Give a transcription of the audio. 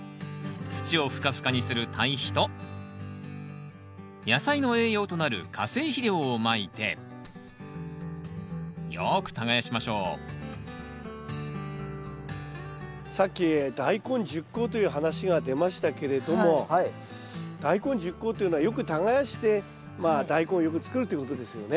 土をふかふかにする堆肥と野菜の栄養となる化成肥料をまいてよく耕しましょうさっき大根十耕という話が出ましたけれども大根十耕っていうのはよく耕してダイコンをよく作るということですよね。